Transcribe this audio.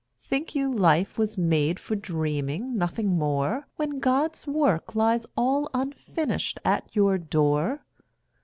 Think you life was made for dreaming, nothing more, When God's work lies all unfinished at your door?